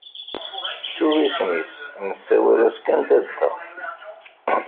Ttuɣ isem-is. Nessawal-as kan dadda.